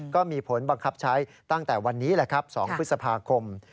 ก็มีผลบังคับใช้ตั้งแต่วันนี้แหละครับ๒พฤษภาคม